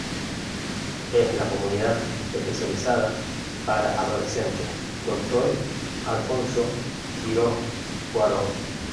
Es la Comunidad Especializada para Adolescentes "Dr. Alfonso Quiroz Cuarón".